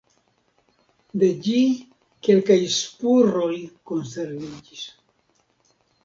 De ĝi kelkaj spuroj konserviĝis.